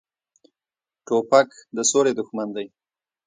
توپک د سولې دښمن دی.